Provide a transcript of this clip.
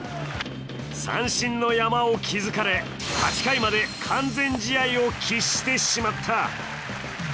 三振の山を築かれ、８回まで完全試合を喫してしまった。